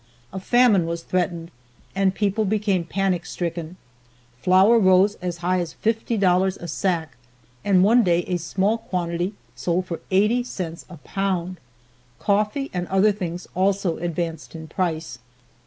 A famine was threatened and people became panic stricken. Flour rose as high as $50 a sack, and one day a small quantity sold for eighty cents a pound. Coffee and other things also advanced in price.